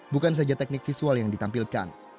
bukan saja teknik visual yang ditampilkan